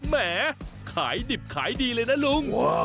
แหมขายดิบขายดีเลยนะลุง